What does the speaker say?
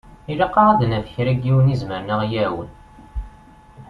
Ilaq-aɣ ad d-naf kra n yiwen i izemren ad ɣ-iɛawen.